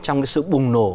trong cái sự bùng nổ